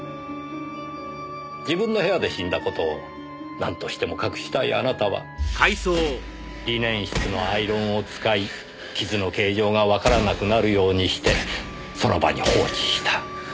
自分の部屋で死んだ事をなんとしても隠したいあなたはリネン室のアイロンを使い傷の形状がわからなくなるようにしてその場に放置した。